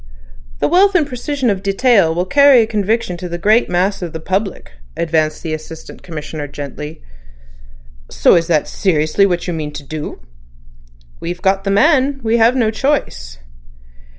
"The wealth and precision of detail will carry conviction to the great mass of the public," advanced the Assistant Commissioner gently. "So that is seriously what you mean to do." "We've got the man; we have no choice."